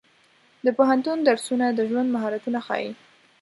د پوهنتون درسونه د ژوند مهارتونه ښيي.